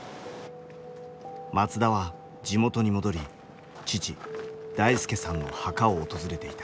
松田は地元に戻り父大輔さんの墓を訪れていた。